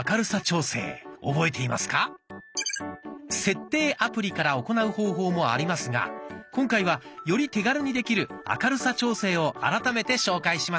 「設定」アプリから行う方法もありますが今回はより手軽にできる明るさ調整を改めて紹介します。